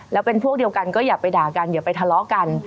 แล้วเป็นพวกเดียวกันก็อย่าไปด่ากันอย่าไปทะเลาะกัน